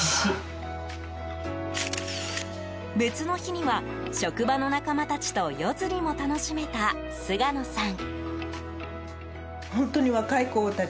別の日には、職場の仲間たちと夜釣りも楽しめた菅野さん。